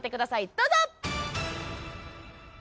どうぞ！